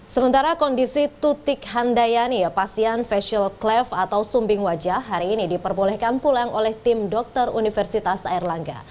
sementara kondisi tutik handayani pasien facial cleft atau sumbing wajah hari ini diperbolehkan pulang oleh tim dokter universitas airlangga